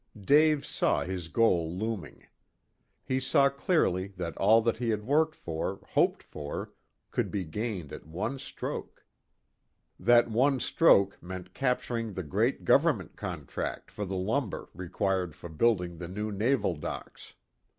Dave saw his goal looming. He saw clearly that all that he had worked for, hoped for, could be gained at one stroke. That one stroke meant capturing the great government contract for the lumber required for building the new naval docks.